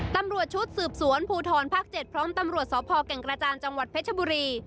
ตำรวจชุดสืบสวนภูทรภาค๗พร้อมตำรวจสพแก่งกระจานจังหวัดเพชรบุรี